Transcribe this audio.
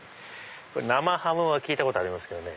生ハムは聞いたことありますけどね